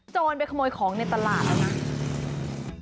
ไปขโมยของในตลาดแล้วนะ